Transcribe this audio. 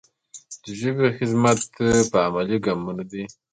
د ژبې خدمت په عملي ګامونو دی.